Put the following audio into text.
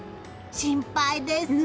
心配です。